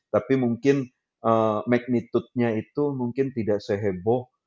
tapi mungkin magnitude nya itu mungkin tidak seheboh